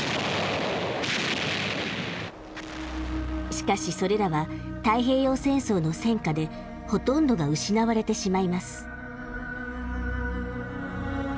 しかしそれらは太平洋戦争の戦火でほとんどが失われてしまいます。